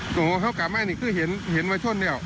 โอ้โหเขากลับมานี่คือเห็นมาช่วงเดียว